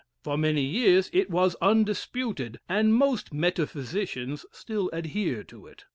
For many years it was undisputed, and most metaphysicians still adhere to it.